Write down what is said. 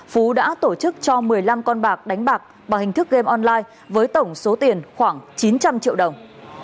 phú đã tổ chức cho một mươi năm con bạc đánh bạc bằng hình thức game online với tổng số tiền khoảng chín trăm linh triệu đồng